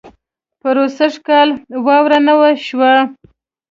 پروسږ کال واؤره نۀ وه شوې